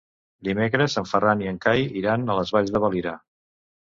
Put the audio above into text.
Dimecres en Ferran i en Cai iran a les Valls de Valira.